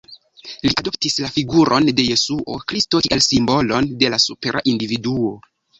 Li adoptis la figuron de Jesuo Kristo kiel simbolon de la supera individuo.